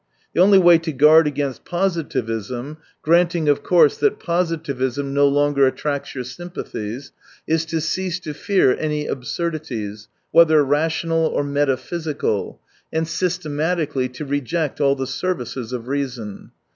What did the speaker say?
The only way to guard against positivism — granting, of course, that positivism no longer attracts your sympathies — is to cease to fear any absurdities, whether rational or metaphysical, and systematically to reject all the services of reason.